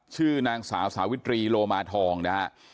ชื่อนางสาวสาววิดรีโลหมาทองนะครับ